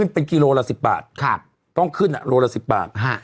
เป็นกี่โลละสิบบาทครับต้องขึ้นอะโลละสิบบาทฮะ